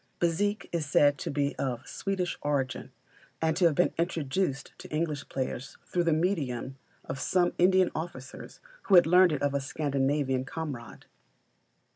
Bézique is said to be of Swedish origin, and to have been introduced to English players through the medium of some Indian officers who had learned it of a Scandinavian comrade.